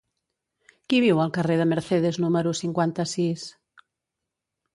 Qui viu al carrer de Mercedes número cinquanta-sis?